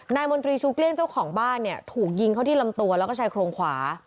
นายมนตรีชูเกลี้ยงเจ้าของบ้านถูกยิงเข้าที่ลำตัวและใช้โครงขวา